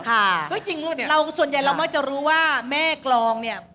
ค่ะเอ้ยจริงเหรอเนี่ยเราส่วนใหญ่เราไม่จะรู้ว่าแม่กลองเนี่ย